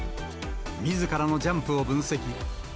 みずからのジャンプを分析。